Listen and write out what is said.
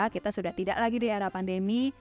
kita sudah tidak lagi di era pandemi